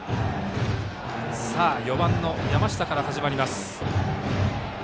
４番の山下から始まります。